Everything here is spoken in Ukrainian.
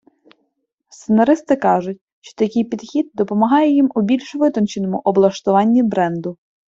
Сценаристи кажуть, що такий підхід допомагає їм у більш витонченому облаштуванні бренду.